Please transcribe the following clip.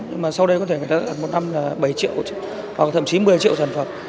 nhưng mà sau đây có thể người ta một năm là bảy triệu hoặc thậm chí một mươi triệu sản phẩm